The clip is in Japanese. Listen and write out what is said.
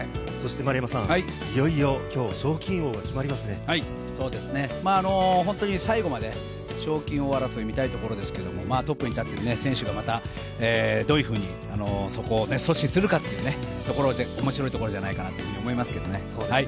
いよいよ賞金王が今日決最後まで賞金王争いを見たいところですが、トップに立っている選手が、どういうふうにそこを阻止するかというところも面白いところじゃないかなと思います。